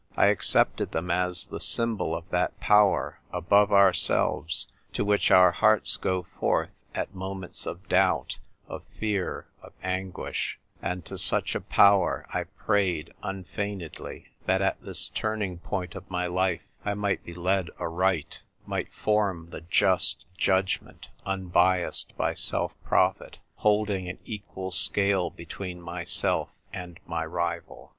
I ac cepted them as the symbol of that Power, above ourselves, to which our hearts go forth at moments of doubt, of fear, of anguish ; and to such a Power I prayed unfeignedly, that at this turning point of my life I might be led aright, might form the just judgment, un biassed by self profit, holding an equal scale between myself and my rival.